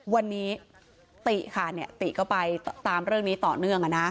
วันนี้ติ่ค่ะเนี่ยติ่เข้าไปตามเรื่องนี้ต่อเนื่องอะนะ